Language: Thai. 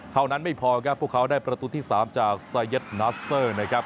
ไม่พอครับพวกเขาได้ประตูที่๓จากซาเย็ดนัสเซอร์นะครับ